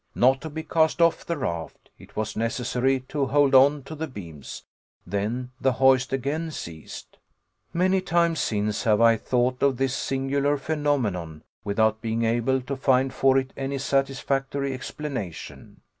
Not to be cast off the raft, it was necessary to hold on to the beams. Then the hoist again ceased. Many times since have I thought of this singular phenomenon without being able to find for it any satisfactory explanation.